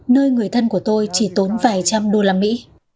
nơi người thân của tôi chỉ tốn vài trăm đô la mỹ